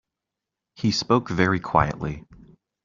He spoke very quietly.